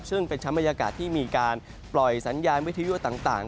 ซึ่งเป็นชั้นบรรยากาศที่มีการปล่อยสัญญาณวิทยุต่าง